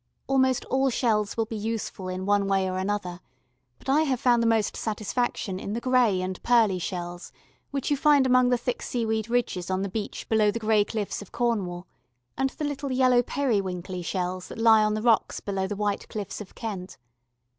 Almost all shells will be useful in one way or another, but I have found the most satisfaction in the gray and pearly shells which you find among the thick seaweed ridges on the beach below the grey cliffs of Cornwall, and the little yellow periwinkly shells that lie on the rocks below the white cliffs of Kent.